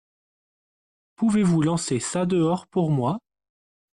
Pouvez-vous lancer ça dehors pour moi ?